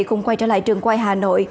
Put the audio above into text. cùng quay trở lại trường quay hà nội